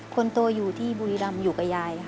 คนโตอยู่ที่บุรีรำอยู่กับยายค่ะ